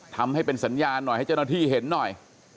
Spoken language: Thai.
ทำให้เป็นสัญญาณหน่อยให้เจ้าหน้าที่เห็นหน่อย